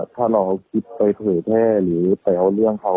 ถ้าเราไปเผื่อแท่หรือเพราะเรื่องเขา